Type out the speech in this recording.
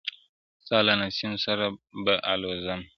ستا له نسیم سره به الوزمه؛